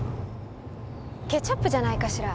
ケチャップじゃないかしら？